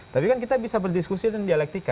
tapi kan kita bisa berdiskusi dengan dialektika